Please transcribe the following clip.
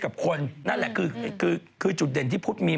หนังหน้าเราหรือหนังกายเราได้เท่าเขาไหม